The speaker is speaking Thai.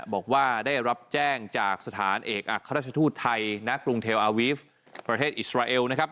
บอกว่าได้รับแจ้งจากสถานเอกอัครราชทูตไทยณกรุงเทลอาวีฟประเทศอิสราเอลนะครับ